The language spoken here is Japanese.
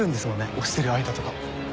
押してる間とかは。